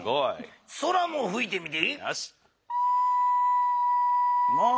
そらもふいてみて。